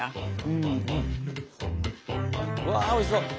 うわおいしそう！